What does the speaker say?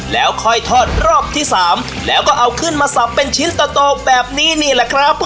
แล้วค่อยทอดรอบที่๓แล้วก็เอาขึ้นมาสับเป็นชิ้นโตแบบนี้นี่แหละครับ